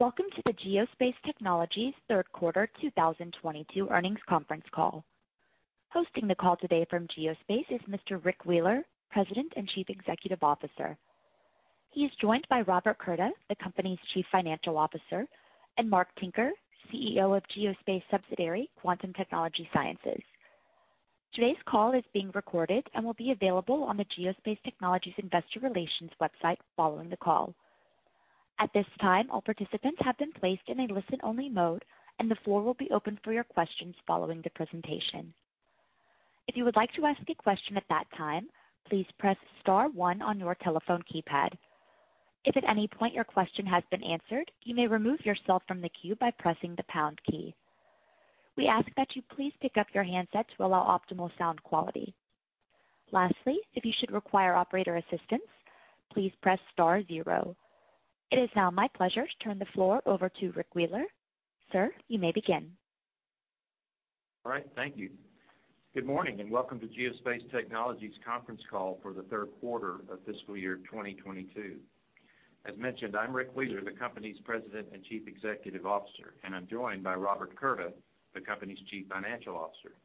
Welcome to the Geospace Technologies third quarter 2022 earnings conference call. Hosting the call today from Geospace is Mr. Rick Wheeler, President and Chief Executive Officer. He's joined by Robert Curda, the company's Chief Financial Officer, and Mark Tinker, CEO of Geospace subsidiary, Quantum Technology Sciences. Today's call is being recorded and will be available on the Geospace Technologies investor relations website following the call. At this time, all participants have been placed in a listen-only mode, and the floor will be open for your questions following the presentation. If you would like to ask a question at that time, please press star one on your telephone keypad. If at any point your question has been answered, you may remove yourself from the queue by pressing the pound key. We ask that you please pick up your handset to allow optimal sound quality. Lastly, if you should require operator assistance, please press star zero. It is now my pleasure to turn the floor over to Rick Wheeler. Sir, you may begin. All right, thank you. Good morning and welcome to Geospace Technologies conference call for the third quarter of fiscal year 2022. As mentioned, I'm Rick Wheeler, the company's President and Chief Executive Officer, and I'm joined by Robert Curda, the company's Chief Financial Officer.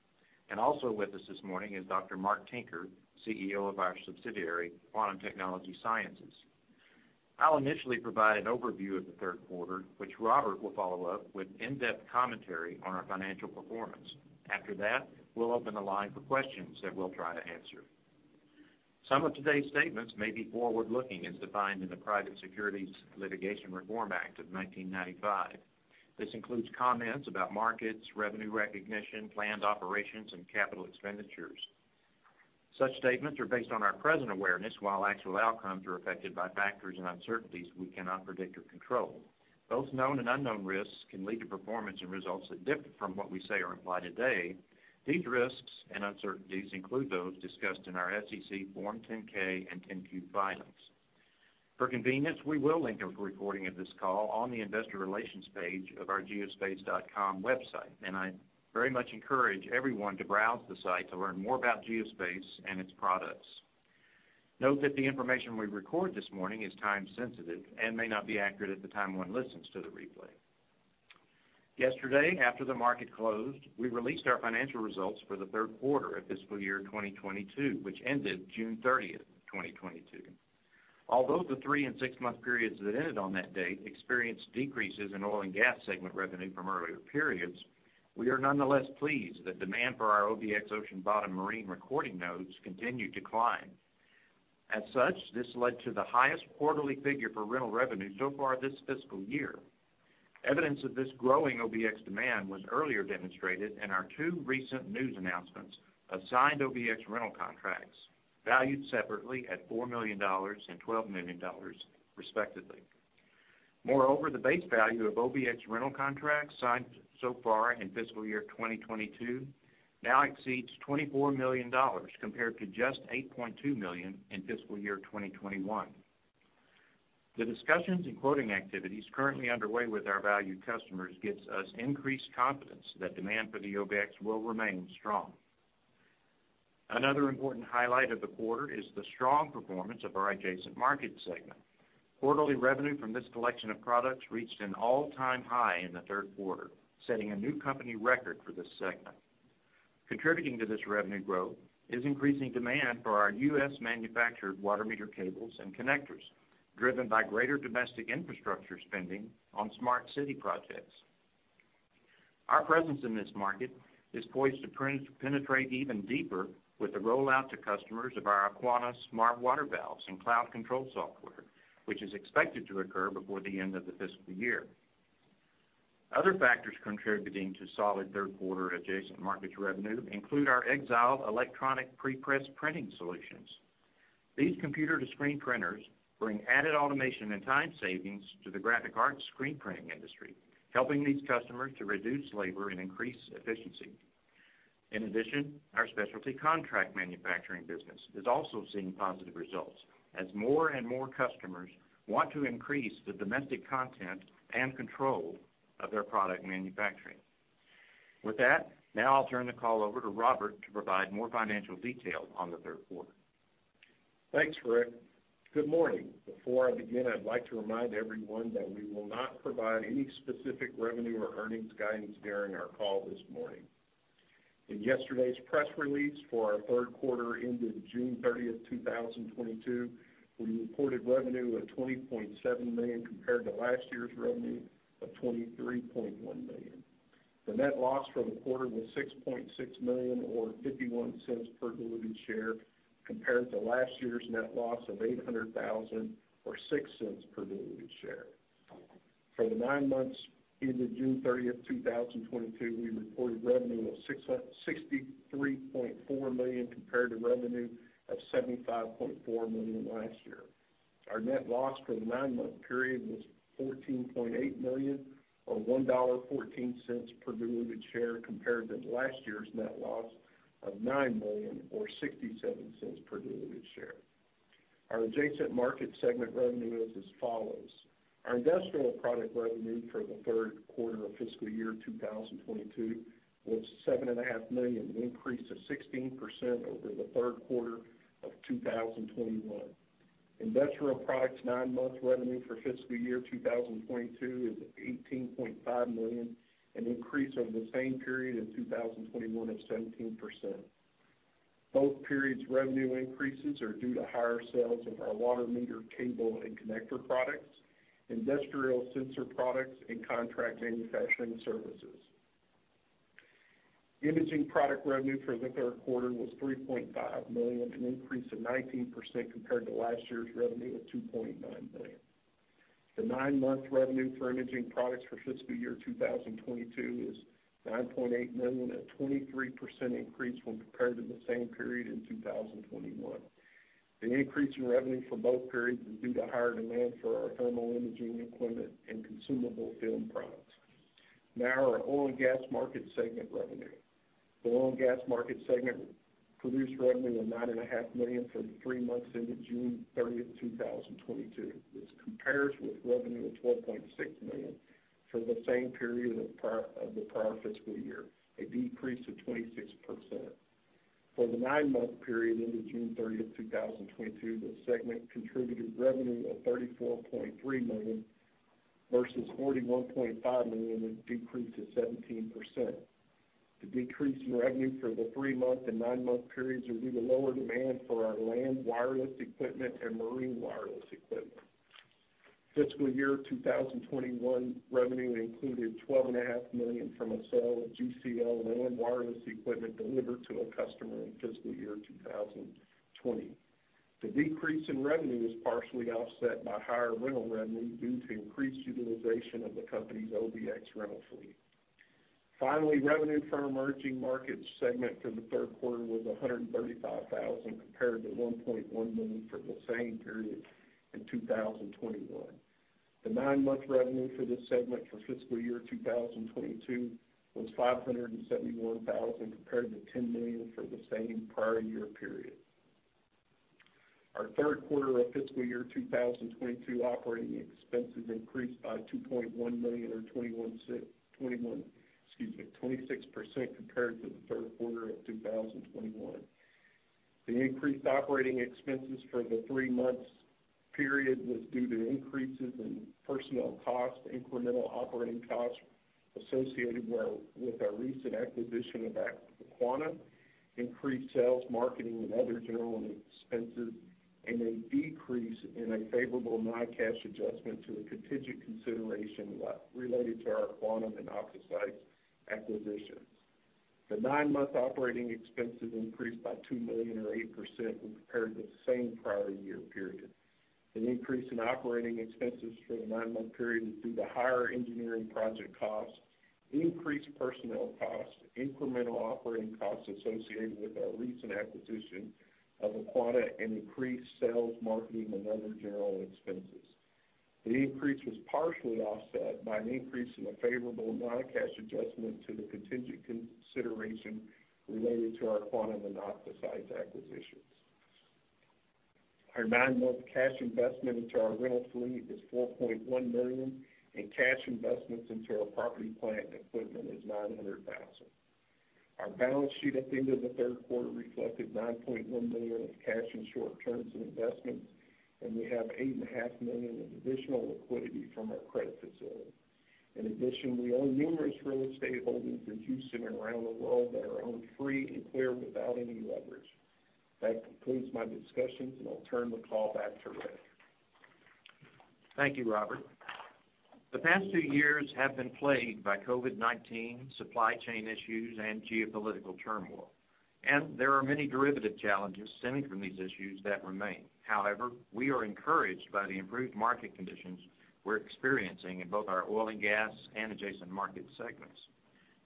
Also with us this morning is Dr. Mark Tinker, CEO of our subsidiary, Quantum Technology Sciences. I'll initially provide an overview of the third quarter, which Robert will follow up with in-depth commentary on our financial performance. After that, we'll open the line for questions that we'll try to answer. Some of today's statements may be forward-looking as defined in the Private Securities Litigation Reform Act of 1995. This includes comments about markets, revenue recognition, planned operations, and capital expenditures. Such statements are based on our present awareness, while actual outcomes are affected by factors and uncertainties we cannot predict or control. Both known and unknown risks can lead to performance and results that differ from what we say or imply today. These risks and uncertainties include those discussed in our SEC Form 10-K and 10-Q filings. For convenience, we will link a recording of this call on the investor relations page of our geospace.com website, and I very much encourage everyone to browse the site to learn more about Geospace and its products. Note that the information we record this morning is time sensitive and may not be accurate at the time one listens to the replay. Yesterday, after the market closed, we released our financial results for the third quarter of fiscal year 2022, which ended June 30th, 2022. Although the three and six-month periods that ended on that date experienced decreases in oil and gas segment revenue from earlier periods, we are nonetheless pleased that demand for our OBX ocean bottom marine recording nodes continued to climb. As such, this led to the highest quarterly figure for rental revenue so far this fiscal year. Evidence of this growing OBX demand was earlier demonstrated in our two recent news announcements of signed OBX rental contracts, valued separately at $4 million and $12 million, respectively. Moreover, the base value of OBX rental contracts signed so far in fiscal year 2022 now exceeds $24 million compared to just $8.2 million in fiscal year 2021. The discussions and quoting activities currently underway with our valued customers gives us increased confidence that demand for the OBX will remain strong. Another important highlight of the quarter is the strong performance of our Adjacent Markets segment. Quarterly revenue from this collection of products reached an all-time high in the third quarter, setting a new company record for this segment. Contributing to this revenue growth is increasing demand for our U.S.-manufactured water meter cables and connectors, driven by greater domestic infrastructure spending on smart city projects. Our presence in this market is poised to penetrate even deeper with the rollout to customers of our Aquana smart water valves and cloud control software, which is expected to occur before the end of the fiscal year. Other factors contributing to solid third quarter Adjacent Markets revenue include our EXILE electronic pre-press printing solutions. These computer-to-screen printers bring added automation and time savings to the graphic arts screen printing industry, helping these customers to reduce labor and increase efficiency. In addition, our specialty contract manufacturing business is also seeing positive results as more and more customers want to increase the domestic content and control of their product manufacturing. With that, now I'll turn the call over to Robert to provide more financial detail on the third quarter. Thanks, Rick. Good morning. Before I begin, I'd like to remind everyone that we will not provide any specific revenue or earnings guidance during our call this morning. In yesterday's press release for our third quarter ended June 30th, 2022, we reported revenue of $20.7 million compared to last year's revenue of $23.1 million. The net loss for the quarter was $6.6 million or $0.51 per diluted share, compared to last year's net loss of $800,000 or $0.06 per diluted share. For the nine months ended June 30th, 2022, we reported revenue of $63.4 million compared to revenue of $75.4 million last year. Our net loss for the nine-month period was $14.8 million or $1.14 per diluted share, compared to last year's net loss of $9 million or $0.67 per diluted share. Our Adjacent Markets segment revenue is as follows: Our industrial product revenue for the third quarter of fiscal year 2022 was $7.5 million, an increase of 16% over the third quarter of 2021. Industrial products nine-month revenue for fiscal year 2022 is $18.5 million, an increase over the same period in 2021 of 17%. Both periods' revenue increases are due to higher sales of our water meter, cable, and connector products, industrial sensor products, and contract manufacturing services. Imaging product revenue for the third quarter was $3.5 million, an increase of 19% compared to last year's revenue of $2.9 million. The nine-month revenue for imaging products for fiscal year 2022 is $9.8 million, a 23% increase when compared to the same period in 2021. The increase in revenue for both periods is due to higher demand for our thermal imaging equipment and consumable film products. Now our oil and gas market segment revenue. The oil and gas market segment produced revenue of $9.5 million for the three months ended June 30th, 2022. This compares with revenue of $12.6 million for the same period of the prior fiscal year, a decrease of 26%. For the nine-month period ended June 30th, 2022, the segment contributed revenue of $34.3 million versus $41.5 million, a decrease of 17%. The decrease in revenue for the three-month and nine-month periods are due to lower demand for our land wireless equipment and marine wireless equipment. Fiscal year 2021 revenue included $12 and a half million from a sale of GCL land wireless equipment delivered to a customer in fiscal year 2020. The decrease in revenue was partially offset by higher rental revenue due to increased utilization of the company's OBX rental fleet. Finally, revenue from Adjacent Markets segment for the third quarter was $135 thousand compared to $1.1 million for the same period in 2021. The nine-month revenue for this segment for fiscal year 2022 was $571 thousand compared to $10 million for the same prior year period. Our third quarter of fiscal year 2022 operating expenses increased by $2.1 million or 2021, excuse me, 26% compared to the third quarter of 2021. The increased operating expenses for the three months period was due to increases in personnel costs, incremental operating costs associated with our recent acquisition of Aquana, increased sales, marketing, and other general expenses, and a decrease in a favorable non-cash adjustment to a contingent consideration related to our Aquana and OptoSeis acquisitions. The nine-month operating expenses increased by $2 million or 8% when compared with the same prior year period. An increase in operating expenses for the nine-month period was due to higher engineering project costs, increased personnel costs, incremental operating costs associated with our recent acquisition of Aquana, and increased sales, marketing, and other general expenses. The increase was partially offset by an increase in a favorable non-cash adjustment to the contingent consideration related to our Aquana and OptoSeis acquisitions. Our nine-month cash investment into our rental fleet is $4.1 million, and cash investments into our property, plant, and equipment is $900,000. Our balance sheet at the end of the third quarter reflected $9.1 million in cash and short-term investments, and we have $8.5 million in additional liquidity from our credit facility. In addition, we own numerous real estate holdings in Houston and around the world that are owned free and clear without any leverage. That concludes my discussions, and I'll turn the call back to Rick. Thank you, Robert. The past two years have been plagued by COVID-19, supply chain issues, and geopolitical turmoil, and there are many derivative challenges stemming from these issues that remain. However, we are encouraged by the improved market conditions we're experiencing in both our Oil and Gas and Adjacent Markets segments.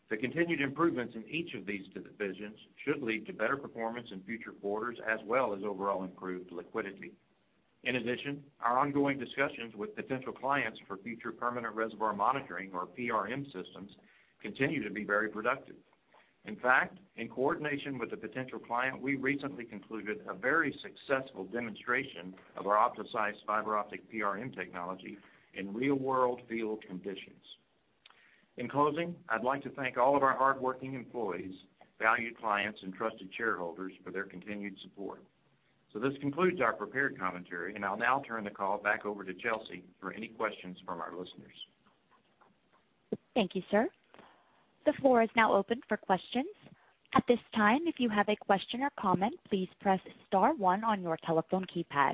The continued improvements in each of these divisions should lead to better performance in future quarters as well as overall improved liquidity. In addition, our ongoing discussions with potential clients for future permanent reservoir monitoring or PRM systems continue to be very productive. In fact, in coordination with a potential client, we recently concluded a very successful demonstration of our OptoSeis fiber optic PRM technology in real world field conditions. In closing, I'd like to thank all of our hardworking employees, valued clients, and trusted shareholders for their continued support. This concludes our prepared commentary, and I'll now turn the call back over to Chelsea for any questions from our listeners. Thank you, sir. The floor is now open for questions. At this time, if you have a question or comment, please press star one on your telephone keypad.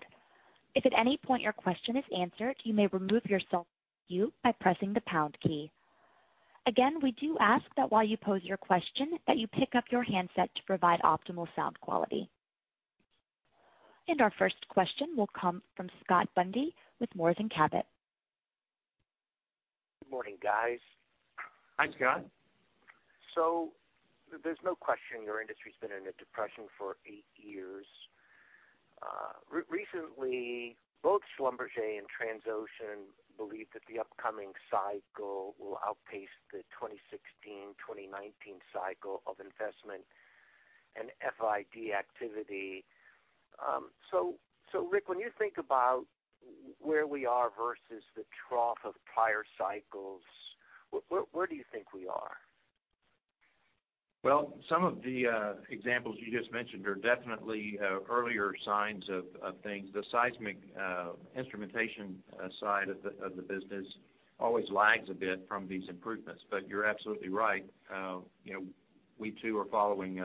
If at any point your question is answered, you may remove yourself from queue by pressing the pound key. Again, we do ask that while you pose your question, that you pick up your handset to provide optimal sound quality. Our first question will come from Scott Bundy with Moors & Cabot. Good morning, guys. Hi, Scott. There's no question your industry's been in a depression for eight years. Recently, both Schlumberger and Transocean believe that the upcoming cycle will outpace the 2016, 2019 cycle of investment and FID activity. Rick, when you think about where we are versus the trough of prior cycles, where do you think we are? Well, some of the examples you just mentioned are definitely earlier signs of things. The seismic instrumentation side of the business always lags a bit from these improvements. You're absolutely right. You know, we too are following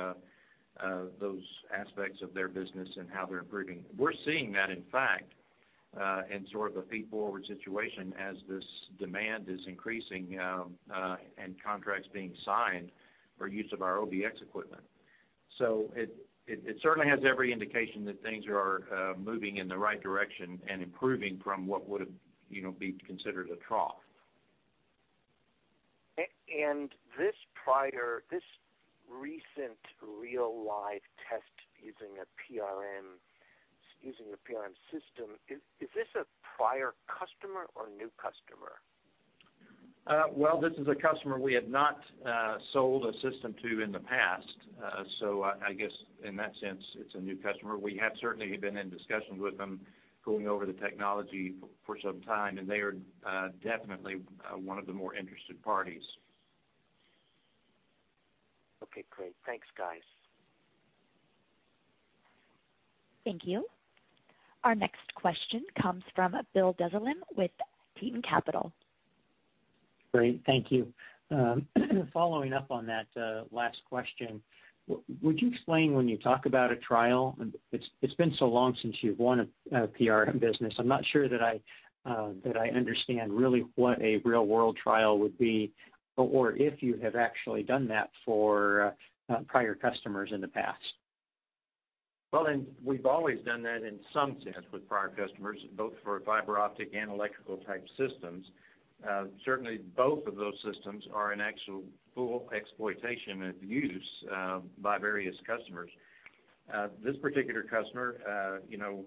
those aspects of their business and how they're improving. We're seeing that, in fact, in sort of a feet forward situation as this demand is increasing and contracts being signed for use of our OBX equipment. It certainly has every indication that things are moving in the right direction and improving from what would have, you know, be considered a trough. This recent real-life test using a PRM system, is this a prior customer or a new customer? Well, this is a customer we had not sold a system to in the past. I guess in that sense, it's a new customer. We have certainly been in discussions with them going over the technology for some time, and they are definitely one of the more interested parties. Okay, great. Thanks, guys. Thank you. Our next question comes from Bill Dezellem with Tieton Capital. Great. Thank you. Following up on that, last question. Would you explain when you talk about a trial, it's been so long since you've won a PRM business. I'm not sure that I understand really what a real-world trial would be or if you have actually done that for prior customers in the past. Well, we've always done that in some sense with prior customers, both for fiber optic and electrical type systems. Certainly both of those systems are in actual full exploitation and use by various customers. This particular customer, you know,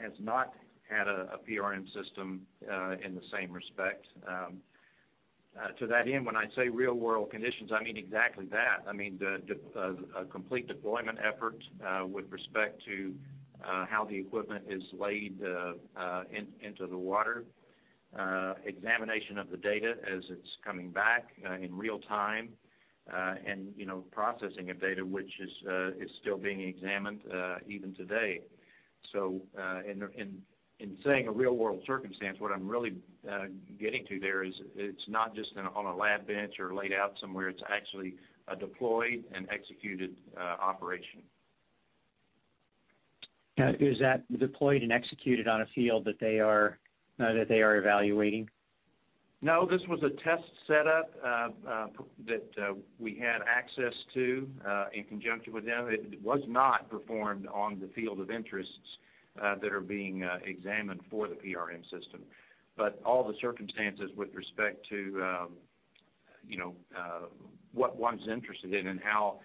has not had a PRM system in the same respect. To that end, when I say real-world conditions, I mean exactly that. I mean a complete deployment effort with respect to how the equipment is laid into the water, examination of the data as it's coming back in real time, and, you know, processing of data, which is still being examined even today. In saying a real-world circumstance, what I'm really getting to there is it's not just on a lab bench or laid out somewhere, it's actually a deployed and executed operation. Is that deployed and executed on a field that they are evaluating? No, this was a test set up that we had access to in conjunction with them. It was not performed on the field of interests that are being examined for the PRM system. All the circumstances with respect to, you know, what one's interested in and how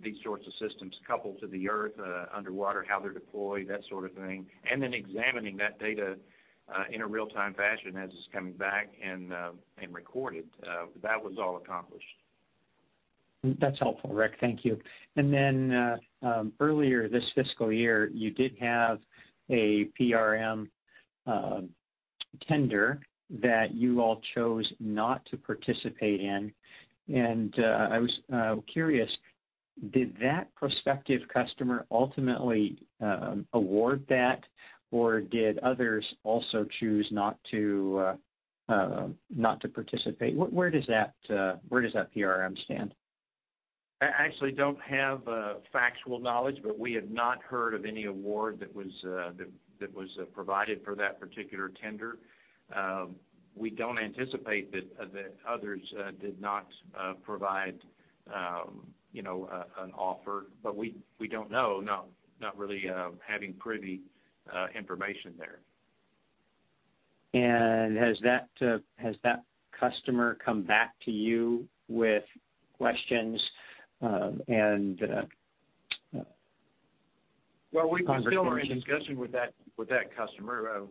these sorts of systems couple to the earth underwater, how they're deployed, that sort of thing, and then examining that data in a real-time fashion as it's coming back and recorded, that was all accomplished. That's helpful, Rick. Thank you. Earlier this fiscal year, you did have a PRM tender that you all chose not to participate in. I was curious, did that prospective customer ultimately award that, or did others also choose not to participate? Where does that PRM stand? I actually don't have factual knowledge, but we have not heard of any award that was provided for that particular tender. We don't anticipate that others did not provide you know an offer, but we don't know, not really, having privy information there. Has that customer come back to you with questions, and conversations? Well, we're still in discussion with that customer,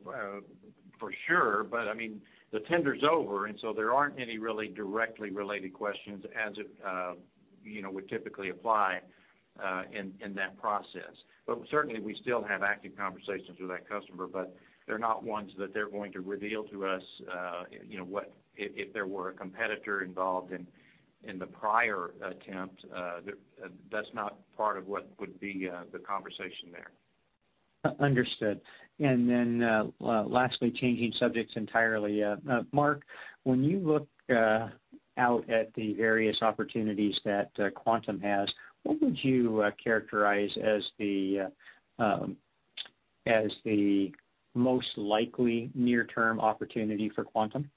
for sure. I mean, the tender's over, and so there aren't any really directly related questions as it, you know, would typically apply, in that process. Certainly, we still have active conversations with that customer, but they're not ones that they're going to reveal to us, you know, what if there were a competitor involved in the prior attempt, that's not part of what would be the conversation there. Understood. Lastly, changing subjects entirely. Mark, when you look out at the various opportunities that Quantum has, what would you characterize as the most likely near-term opportunity for Quantum?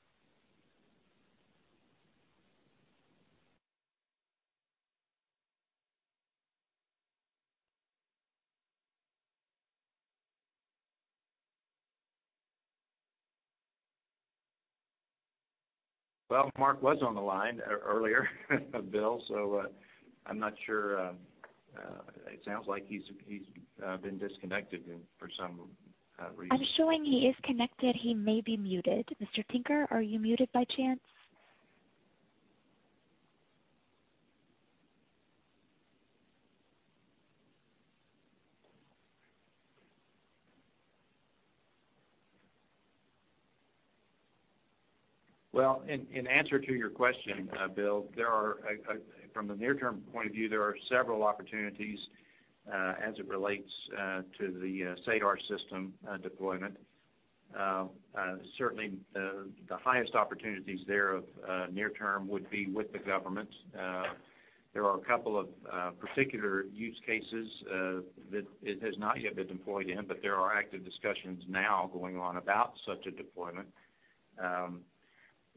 Well, Mark was on the line earlier, Bill, so I'm not sure. It sounds like he's been disconnected and for some reason. I'm showing he is connected. He may be muted. Mr. Tinker, are you muted by chance? Well, in answer to your question, Bill, from the near-term point of view, there are several opportunities as it relates to the SADAR system deployment. Certainly the highest opportunities thereof near term would be with the government. There are a couple of particular use cases that it has not yet been deployed in, but there are active discussions now going on about such a deployment,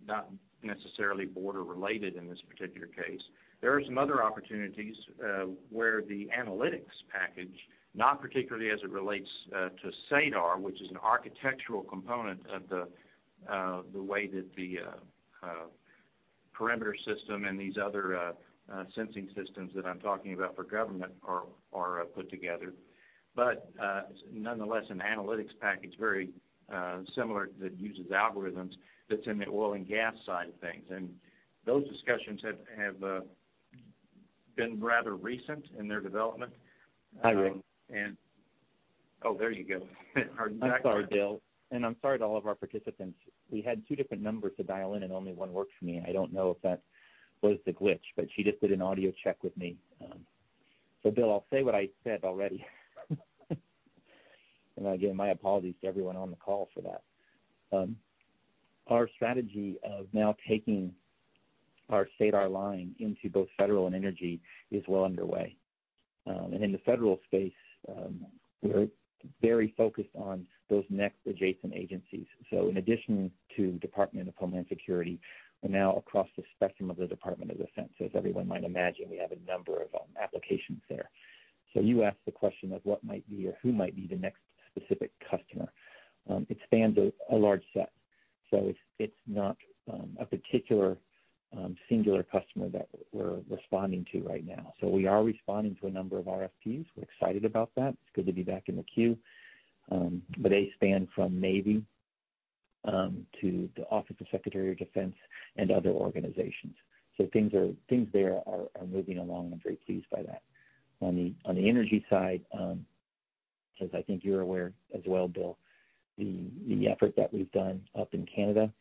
not necessarily border related in this particular case. There are some other opportunities where the analytics package, not particularly as it relates to SADAR, which is an architectural component of the way that the perimeter system and these other sensing systems that I'm talking about for government are put together. Nonetheless, an analytics package very similar that uses algorithms that's in the oil and gas side of things. Those discussions have been rather recent in their development. Hi, Rick. Oh, there you go. Our next- I'm sorry, Bill, and I'm sorry to all of our participants. We had two different numbers to dial in and only one worked for me. I don't know if that was the glitch, but she just did an audio check with me. Bill, I'll say what I said already. Again, my apologies to everyone on the call for that. Our strategy of now taking our SADAR line into both federal and energy is well underway. In the federal space, we're very focused on those next adjacent agencies. In addition to Department of Homeland Security, we're now across the spectrum of the Department of Defense. As everyone might imagine, we have a number of applications there. You asked the question of what might be or who might be the next specific customer. It spans a large set. It's not a particular singular customer that we're responding to right now. We are responding to a number of RFPs. We're excited about that. It's good to be back in the queue. They span from Navy to the Office of the Secretary of Defense and other organizations. Things there are moving along. I'm very pleased by that. On the energy side, as I think you're aware as well, Bill, the effort that we've done up in Canada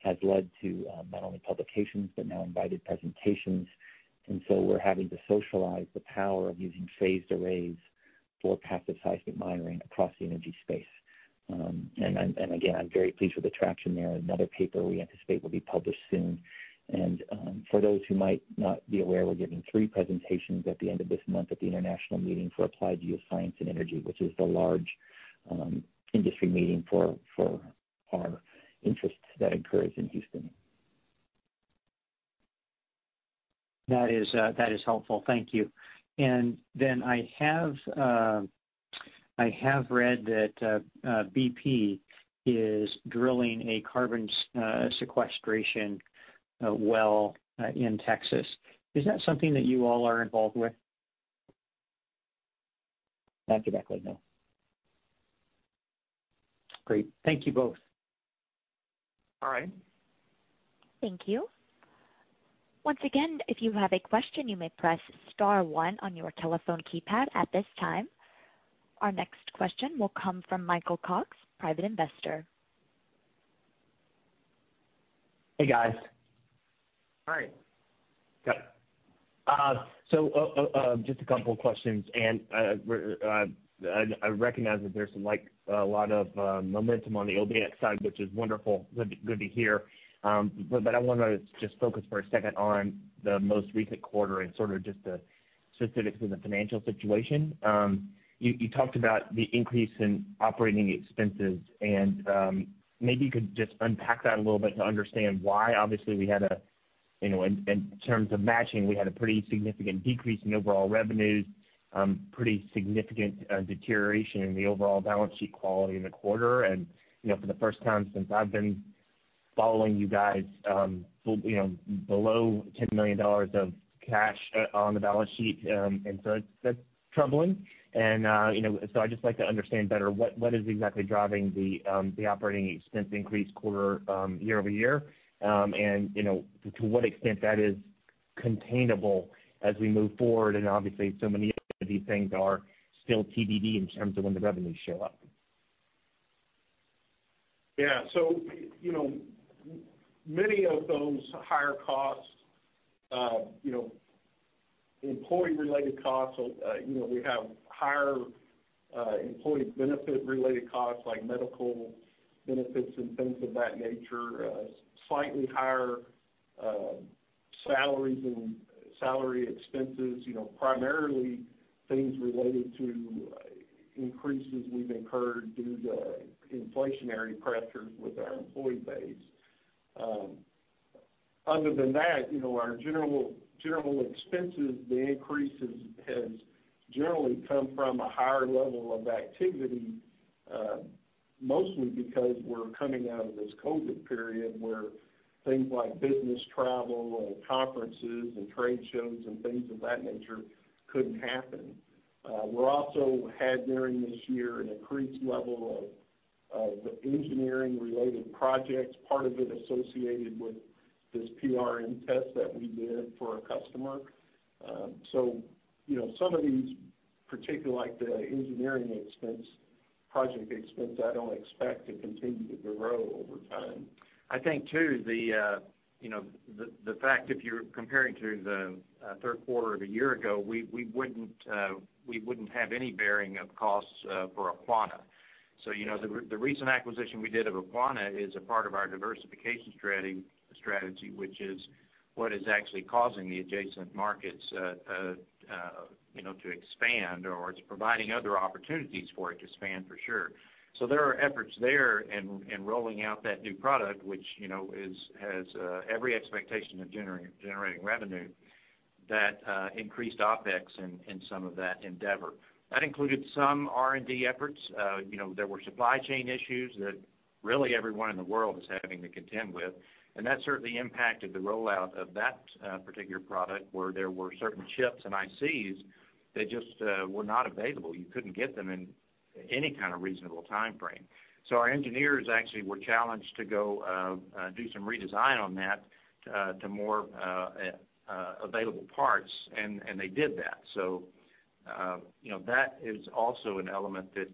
has led to not only publications, but now invited presentations. We're having to socialize the power of using phased arrays for passive seismic mining across the energy space. I'm very pleased with the traction there. Another paper we anticipate will be published soon. For those who might not be aware, we're giving three presentations at the end of this month at the International Meeting for Applied Geoscience and Energy, which is the large industry meeting for our interests that occurs in Houston. That is helpful. Thank you. I have read that BP is drilling a carbon sequestration well in Texas. Is that something that you all are involved with? Not directly, no. Great. Thank you both. All right. Thank you. Once again, if you have a question, you may press star one on your telephone keypad at this time. Our next question will come from Michael Cox, Private Investor. Hey, guys. Hi. Yeah. Just a couple questions, and I recognize that there's some like a lot of momentum on the OBX side, which is wonderful. Good to hear. I wanna just focus for a second on the most recent quarter and sort of just the specifics of the financial situation. You talked about the increase in operating expenses, and maybe you could just unpack that a little bit to understand why. Obviously, we had a you know in terms of matching we had a pretty significant decrease in overall revenues, pretty significant deterioration in the overall balance sheet quality in the quarter. You know for the first time since I've been following you guys, below $10 million of cash on the balance sheet. That's troubling. You know, so I'd just like to understand better what is exactly driving the operating expense increase quarter year-over-year. You know, to what extent that is containable as we move forward. Obviously, so many of these things are still TBD in terms of when the revenues show up. Yeah. You know, many of those higher costs, you know, employee related costs, you know, we have higher, employee benefit related costs like medical benefits and things of that nature, slightly higher, salaries and salary expenses, you know, primarily things related to increases we've incurred due to inflationary pressures with our employee base. Other than that, you know, our general expenses, the increases has generally come from a higher level of activity, mostly because we're coming out of this COVID period where things like business travel and conferences and trade shows and things of that nature couldn't happen. We're also had during this year an increased level of engineering related projects, part of it associated with this PRM test that we did for a customer. You know, some of these, particularly like the engineering expense. Project expense, I don't expect to continue to grow over time. I think, too, you know, the fact if you're comparing to the third quarter of a year ago, we wouldn't have any bearing of costs for Aquana. You know, the recent acquisition we did of Aquana is a part of our diversification strategy, which is what is actually causing the Adjacent Markets you know to expand, or it's providing other opportunities for it to expand for sure. There are efforts there in rolling out that new product, which, you know, has every expectation of generating revenue that increased OpEx in some of that endeavor. That included some R&D efforts. You know, there were supply chain issues that really everyone in the world is having to contend with, and that certainly impacted the rollout of that particular product, where there were certain chips and ICs that just were not available. You couldn't get them in any kind of reasonable timeframe. Our engineers actually were challenged to go do some redesign on that to more available parts, and they did that. You know, that is also an element that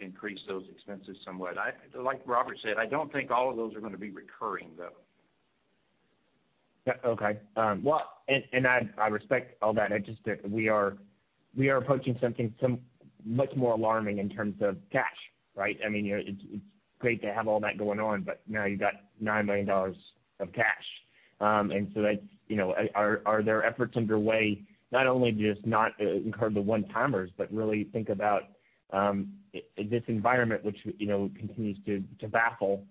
increased those expenses somewhat. Like Robert said, I don't think all of those are gonna be recurring, though. Yeah. Okay. Well, I respect all that. I just we are approaching something much more alarming in terms of cash, right? I mean, you know, it's great to have all that going on, but now you've got $9 million of cash. That's, you know. Are there efforts underway not only just not incur the one-timers, but really think about this environment which, you know, continues to baffle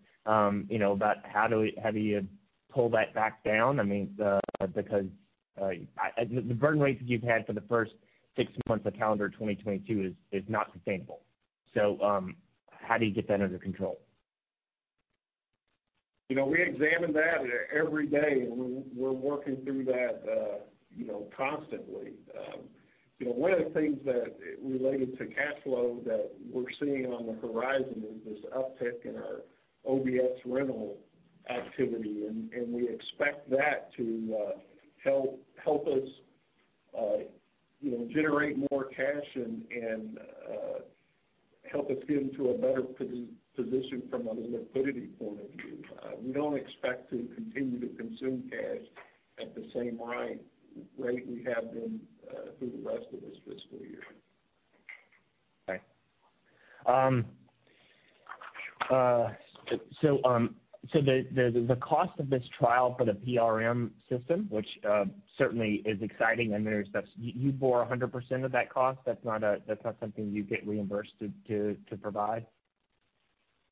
you know about how do you pull that back down? I mean, because the burn rates that you've had for the first six months of calendar 2022 is not sustainable. How do you get that under control? You know, we examine that every day, and we're working through that, you know, constantly. You know, one of the things that related to cash flow that we're seeing on the horizon is this uptick in our OBX rental activity, and we expect that to help us, you know, generate more cash and help us get into a better position from a liquidity point of view. We don't expect to continue to consume cash at the same rate we have been through the rest of this fiscal year. Okay. The cost of this trial for the PRM system, which certainly is exciting. You bore 100% of that cost. That's not something you get reimbursed to provide?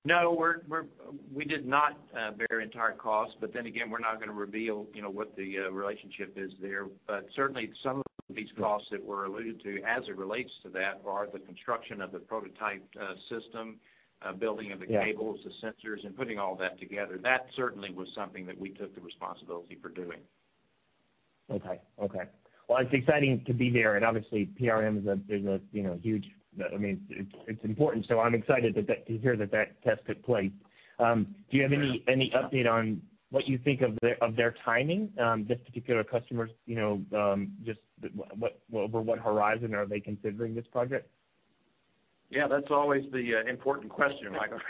No. We did not bear entire costs, but then again, we're not gonna reveal, you know, what the relationship is there. Certainly, some of these costs that were alluded to as it relates to that are the construction of the prototype system, building of the- Yeah. -cables, the sensors, and putting all that together. That certainly was something that we took the responsibility for doing. Okay. Well, it's exciting to be there, and obviously PRM is, there's a, you know, huge, I mean, it's important, so I'm excited to hear that test took place. Do you have any update on what you think of their timing, this particular customer's, you know, just what over what horizon are they considering this project? Yeah, that's always the important question, Michael.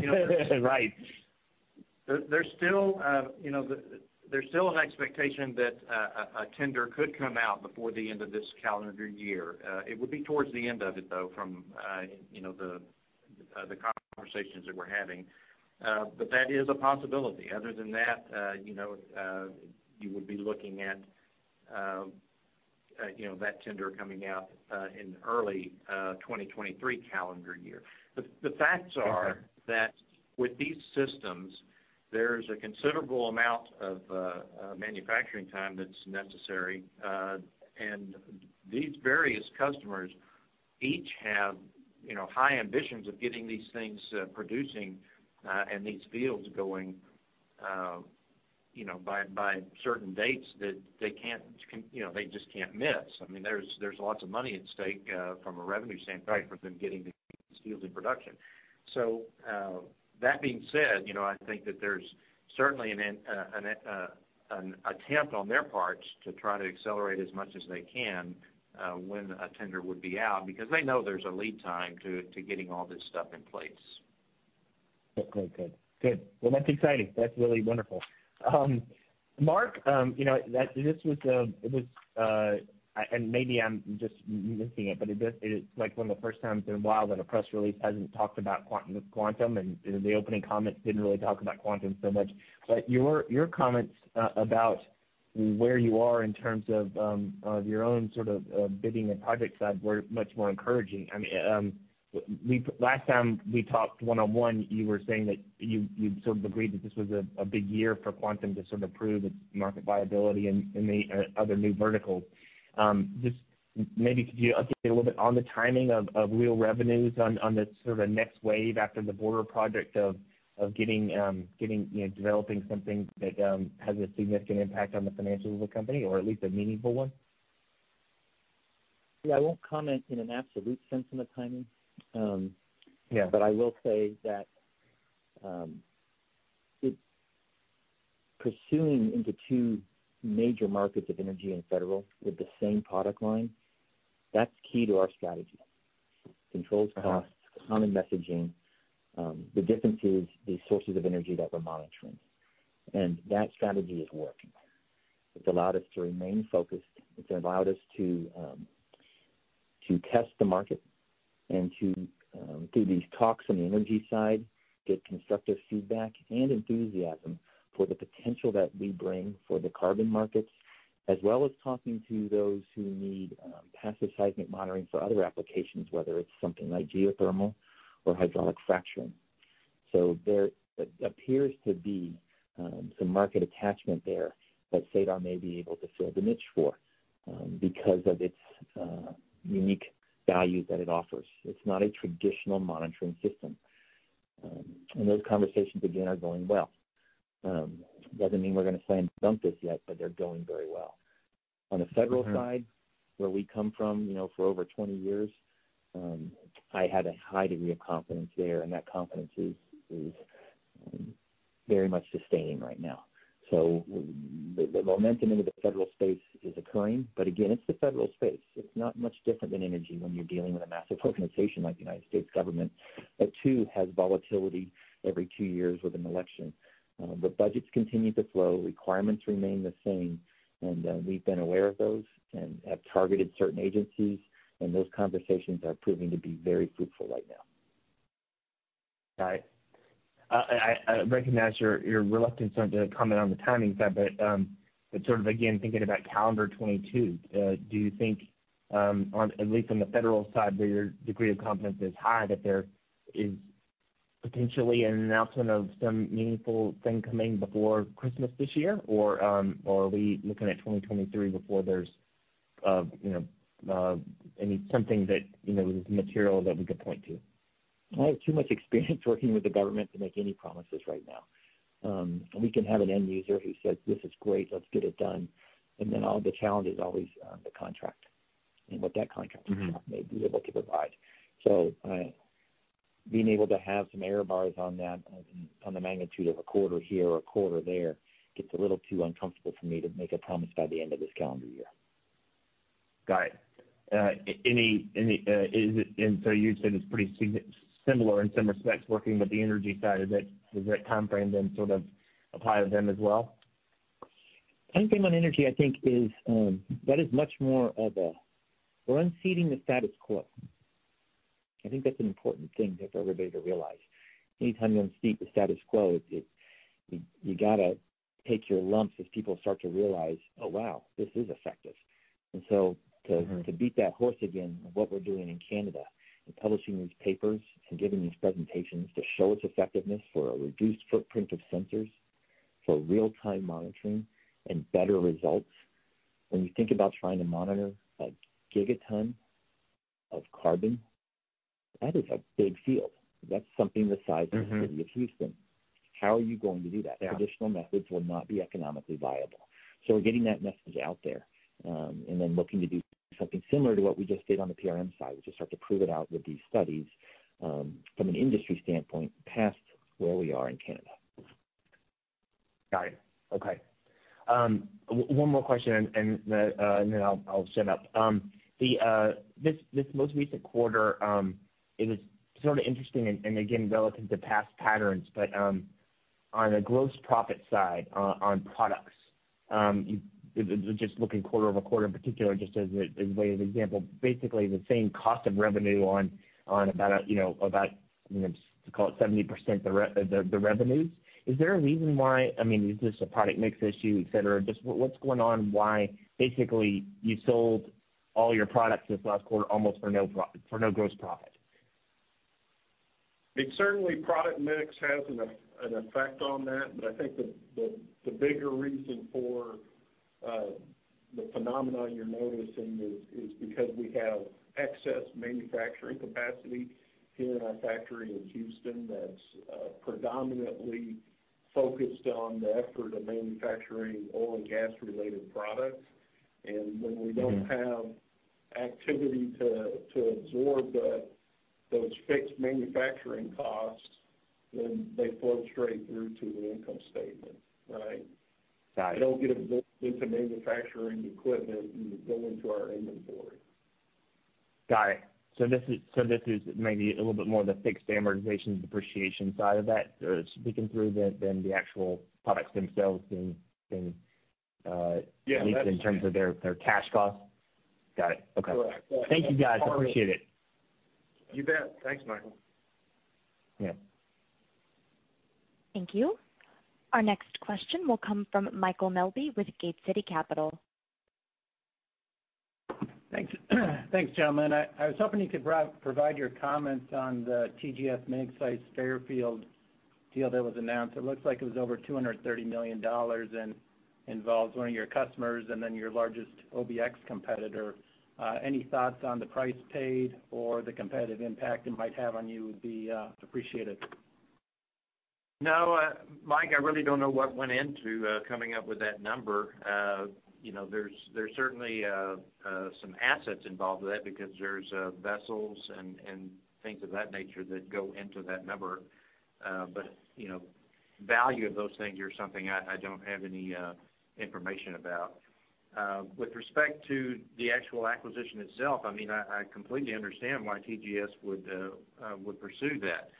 You know- Right. There's still an expectation that a tender could come out before the end of this calendar year. It would be towards the end of it, though, from you know the conversations that we're having. That is a possibility. Other than that, you know you would be looking at you know that tender coming out in early 2023 calendar year. The facts are- Okay. -that with these systems, there's a considerable amount of manufacturing time that's necessary. And these various customers each have, you know, high ambitions of getting these things producing, and these fields going, you know, by certain dates that they can't, you know, they just can't miss. I mean, there's lots of money at stake from a revenue standpoint for them getting these fields in production. That being said, you know, I think that there's certainly an attempt on their parts to try to accelerate as much as they can when a tender would be out because they know there's a lead time to getting all this stuff in place. Good. Well, that's exciting. That's really wonderful. Mark, you know, maybe I'm just missing it, but it's like one of the first times in a while that a press release hasn't talked about Quantum, and the opening comments didn't really talk about Quantum so much. Your comments about where you are in terms of your own sort of bidding and project side were much more encouraging. I mean, last time we talked one-on-one, you were saying that you sort of agreed that this was a big year for Quantum to sort of prove its market viability in the other new verticals. Just maybe could you update a little bit on the timing of real revenues on the sort of next wave after the border project of getting you know developing something that has a significant impact on the financials of the company or at least a meaningful one? Yeah, I won't comment in an absolute sense on the timing. Yeah. I will say that, it- Pursuing into two major markets of energy and federal with the same product line, that's key to our strategy. Controls costs, common messaging, the difference is the sources of energy that we're monitoring. That strategy is working. It's allowed us to remain focused. It's allowed us to test the market and to, through these talks on the energy side, get constructive feedback and enthusiasm for the potential that we bring for the carbon markets, as well as talking to those who need, passive seismic monitoring for other applications, whether it's something like geothermal or hydraulic fracturing. There appears to be, some market attachment there that SADAR may be able to fill the niche for, because of its, unique value that it offers. It's not a traditional monitoring system. Those conversations again are going well. Doesn't mean we're gonna sign and bump this yet, but they're going very well. On the federal side, where we come from, you know, for over 20 years, I had a high degree of confidence there, and that confidence is very much sustaining right now. The momentum into the federal space is occurring. Again, it's the federal space. It's not much different than energy when you're dealing with a massive organization like the United States government that too has volatility every two years with an election. The budgets continue to flow, requirements remain the same. We've been aware of those and have targeted certain agencies, and those conversations are proving to be very fruitful right now. Got it. I recognize your reluctance to comment on the timing side, but sort of again, thinking about calendar 2022, do you think at least on the federal side where your degree of confidence is high, that there is potentially an announcement of some meaningful thing coming before Christmas this year? Or are we looking at 2023 before there's you know anything that you know is material that we could point to? I have too much experience working with the government to make any promises right now. We can have an end user who says, "This is great. Let's get it done." All the challenge is always the contract and what that contract may be able to provide. Being able to have some error bars on that, on the magnitude of a quarter here or a quarter there gets a little too uncomfortable for me to make a promise by the end of this calendar year. Got it. You'd said it's pretty similar in some respects working with the energy side. Is that timeframe then sort of apply to them as well? Timeframe on energy I think is. We're unseating the status quo. I think that's an important thing for everybody to realize. Anytime you unseat the status quo, it's, you gotta take your lumps as people start to realize, oh, wow, this is effective. Mm-hmm. To beat that horse again of what we're doing in Canada and publishing these papers and giving these presentations to show its effectiveness for a reduced footprint of sensors, for real-time monitoring and better results. When you think about trying to monitor a gigaton of carbon, that is a big field. That's something the size of the city of Houston. How are you going to do that? Yeah. Traditional methods will not be economically viable. We're getting that message out there, and then looking to do something similar to what we just did on the PRM side, which is start to prove it out with these studies, from an industry standpoint past where we are in Canada. Got it. Okay. One more question and then I'll shut up. This most recent quarter, it was sort of interesting and again, relative to past patterns. On a gross profit side on products, just looking quarter-over-quarter in particular just as a way of example, basically the same cost of revenue on about a, you know, about, you know, just to call it 70% the revenues. Is there a reason why. I mean, is this a product mix issue, et cetera? Just what's going on, why basically you sold all your products this last quarter almost for no gross profit? It's certainly product mix has an effect on that. I think the bigger reason for the phenomenon you're noticing is because we have excess manufacturing capacity here in our factory in Houston that's predominantly focused on the effort of manufacturing oil and gas related products. When we don't have activity to absorb those fixed manufacturing costs, then they flow straight through to the income statement, right? Got it. They don't get absorbed into manufacturing equipment and go into our inventory. Got it. This is maybe a little bit more of the fixed amortization depreciation side of that than the actual products themselves being. Yeah. At least in terms of their cash costs. Got it. Okay. Correct. Thank you guys. Appreciate it. You bet. Thanks, Michael. Yeah. Thank you. Our next question will come from Michael Melby with Gate City Capital. Thanks. Thanks, gentlemen. I was hoping you could provide your comments on the TGS Magseis Fairfield deal that was announced. It looks like it was over $230 million and involves one of your customers and your largest OBX competitor. Any thoughts on the price paid or the competitive impact it might have on you would be appreciated. No, Mike, I really don't know what went into coming up with that number. You know, there's certainly some assets involved with that because there's vessels and things of that nature that go into that number. You know, value of those things are something I don't have any information about. With respect to the actual acquisition itself, I mean, I completely understand why TGS would pursue that.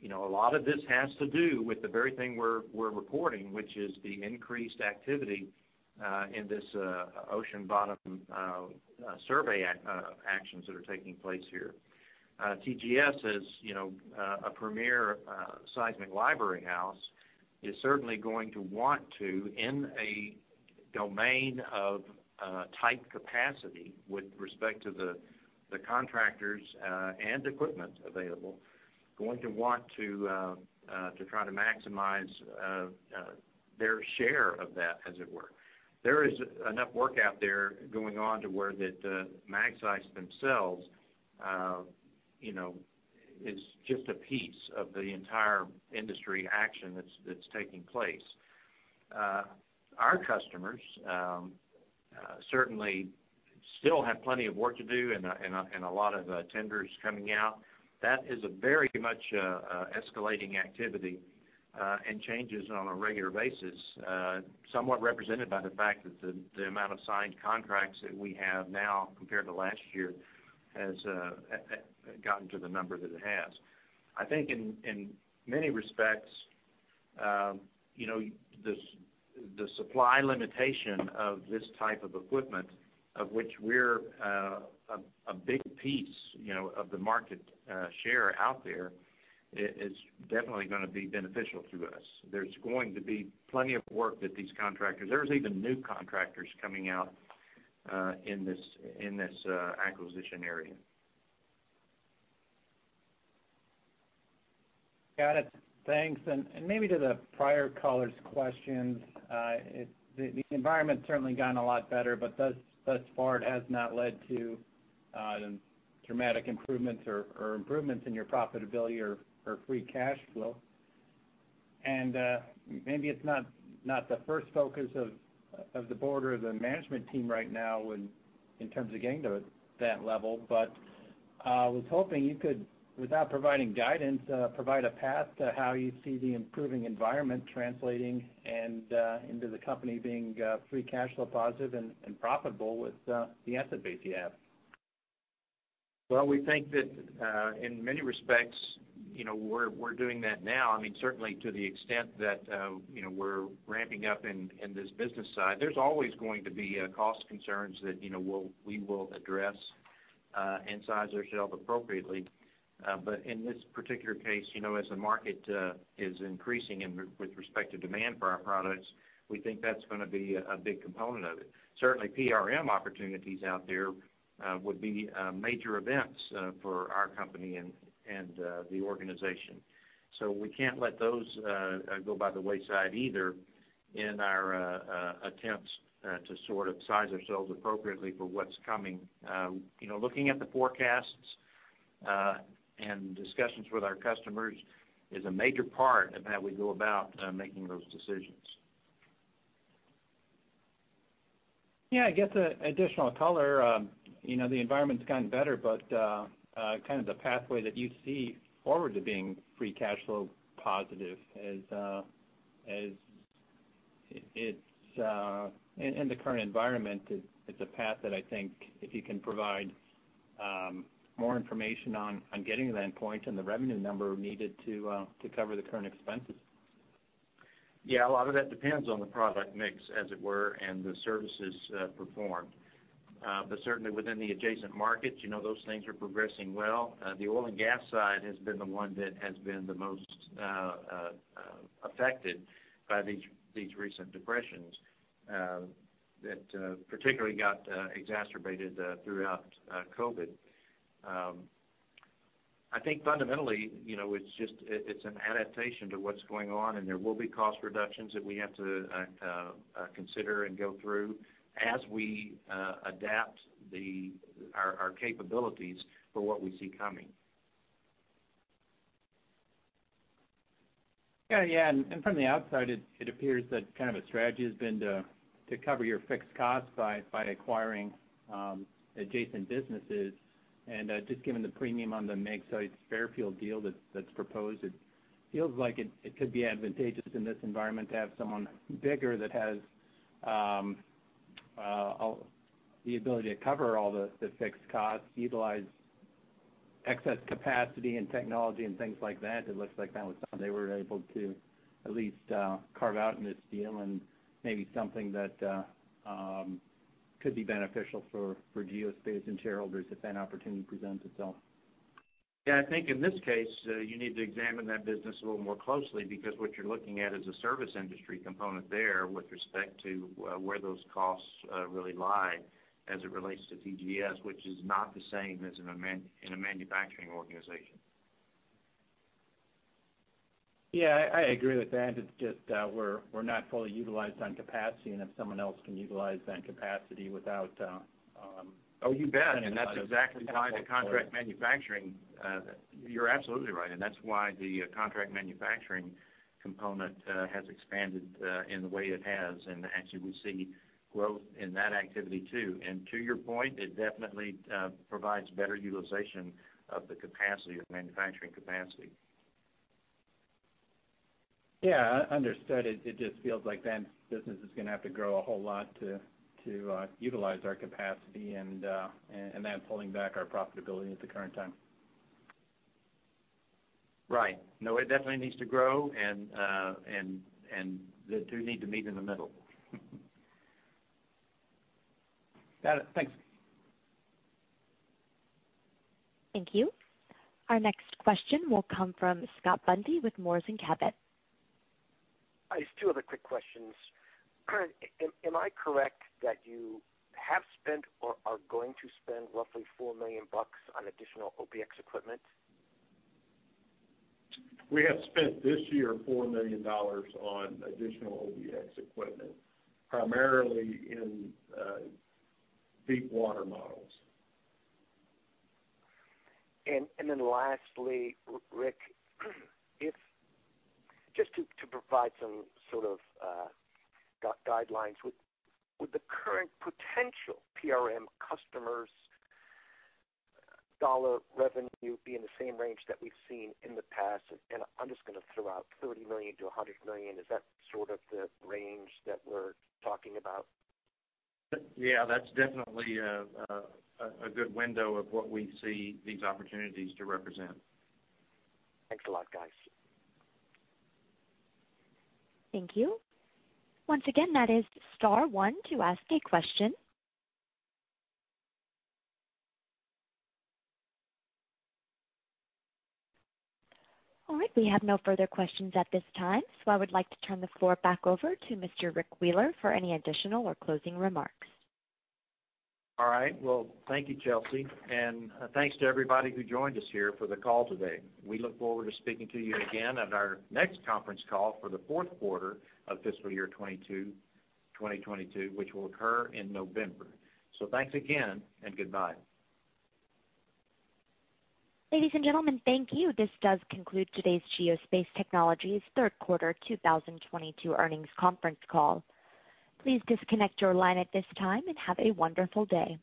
You know, a lot of this has to do with the very thing we're reporting, which is the increased activity in this ocean bottom survey actions that are taking place here. TGS is, you know, a premier seismic library house, is certainly going to want to, in a domain of tight capacity with respect to the contractors and equipment available, going to want to try to maximize their share of that as it were. There is enough work out there going on to where that Magseis themselves you know is just a piece of the entire industry action that's taking place. Our customers certainly still have plenty of work to do and a lot of tenders coming out. That is very much escalating activity and changes on a regular basis somewhat represented by the fact that the amount of signed contracts that we have now compared to last year has gotten to the number that it has. I think in many respects you know the supply limitation of this type of equipment of which we're a big piece you know of the market share out there is definitely gonna be beneficial to us. There's even new contractors coming out, in this acquisition area. Got it. Thanks. Maybe to the prior caller's questions, the environment's certainly gotten a lot better, but thus far it has not led to dramatic improvements or improvements in your profitability or free cash flow. Maybe it's not the first focus of the board or the management team right now in terms of getting to that level. But I was hoping you could, without providing guidance, provide a path to how you see the improving environment translating into the company being free cash flow positive and profitable with the asset base you have. Well, we think that in many respects, you know, we're doing that now. I mean, certainly to the extent that you know, we're ramping up in this business side. There's always going to be cost concerns that, you know, we will address and size ourselves appropriately. In this particular case, you know, as the market is increasing with respect to demand for our products, we think that's gonna be a big component of it. Certainly, PRM opportunities out there would be major events for our company and the organization. We can't let those go by the wayside either in our attempts to sort of size ourselves appropriately for what's coming. You know, looking at the forecasts and discussions with our customers is a major part of how we go about making those decisions. Yeah, I guess additional color, you know, the environment's gotten better, but kind of the pathway that you see forward to being free cash flow positive. It's in the current environment. It's a path that I think if you can provide more information on getting to that point and the revenue number needed to cover the current expenses. Yeah, a lot of that depends on the product mix, as it were, and the services performed. Certainly within the Adjacent Markets, you know, those things are progressing well. The oil and gas side has been the one that has been the most affected by these recent depressions that particularly got exacerbated throughout COVID. I think fundamentally, you know, it's just an adaptation to what's going on, and there will be cost reductions that we have to consider and go through as we adapt our capabilities for what we see coming. Yeah, yeah. From the outside, it appears that kind of a strategy has been to cover your fixed costs by acquiring adjacent businesses. Just given the premium on the Magseis Fairfield deal that's proposed, it feels like it could be advantageous in this environment to have someone bigger that has the ability to cover all the fixed costs, utilize excess capacity and technology and things like that. It looks like that was something they were able to at least carve out in this deal and maybe something that could be beneficial for Geospace and shareholders if that opportunity presents itself. Yeah, I think in this case you need to examine that business a little more closely because what you're looking at is a service industry component there with respect to where those costs really lie as it relates to TGS, which is not the same as in a manufacturing organization. Yeah, I agree with that. It's just, we're not fully utilized on capacity, and if someone else can utilize that capacity without- Oh, you bet. That's exactly why. You're absolutely right. That's why the contract manufacturing component has expanded in the way it has, and actually we see growth in that activity too. To your point, it definitely provides better utilization of the capacity, of manufacturing capacity. Yeah, understood. It just feels like that business is gonna have to grow a whole lot to utilize our capacity and that's pulling back our profitability at the current time. Right. No, it definitely needs to grow and the two need to meet in the middle. Got it. Thanks. Thank you. Our next question will come from Scott Bundy with Moors & Cabot. Just two other quick questions. Robert Curda, am I correct that you have spent or are going to spend roughly $4 million on additional OBX equipment? We have spent this year $4 million on additional OBX equipment, primarily in deep water models. Rick, just to provide some sort of guidelines. Would the current potential PRM customers' dollar revenue be in the same range that we've seen in the past? I'm just gonna throw out $30 million-$100 million. Is that sort of the range that we're talking about? Yeah, that's definitely a good window of what we see these opportunities to represent. Thanks a lot, guys. Thank you. Once again, that is star one to ask a question. All right, we have no further questions at this time, so I would like to turn the floor back over to Mr. Rick Wheeler for any additional or closing remarks. All right. Well, thank you, Chelsea. Thanks to everybody who joined us here for the call today. We look forward to speaking to you again at our next conference call for the fourth quarter of fiscal year 2022, which will occur in November. Thanks again and goodbye. Ladies and gentlemen, thank you. This does conclude today's Geospace Technologies third quarter 2022 earnings conference call. Please disconnect your line at this time and have a wonderful day.